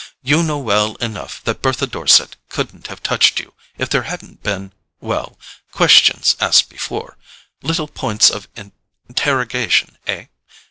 You know well enough that Bertha Dorset couldn't have touched you if there hadn't been—well—questions asked before—little points of interrogation, eh?